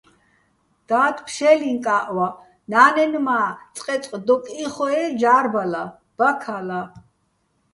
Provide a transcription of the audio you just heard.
და́დ ფშე́ლინკაჸ ვა, ნა́ნენ მა წყე́წყ დოკ იხო-ე ჯა́რბალა, ბაქალა.